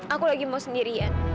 aku lagi mau sendirian